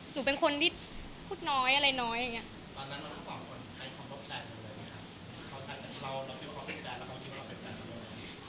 หนูเป็นคนที่พูดน้อยอะไรน้อยอย่างนี้